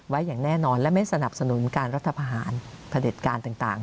อย่างแน่นอนและไม่สนับสนุนการรัฐพาหารพระเด็จการต่าง